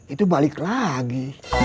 itu balik lagi